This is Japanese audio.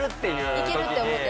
「いける！」って思って。